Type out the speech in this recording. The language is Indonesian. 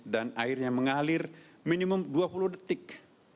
dan airnya mengalir minimum dua puluh detik